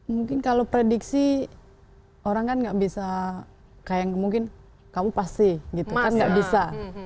mungkin kalau prediksi orang kan gak bisa kayak mungkin kamu pasti gitu kan nggak bisa